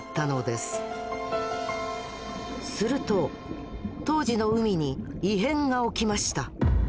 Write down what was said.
すると当時の海に異変が起きました。